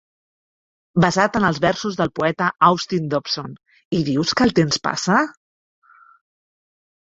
Basat en els versos del poeta Austin Dobson: "I dius que el temps passa?".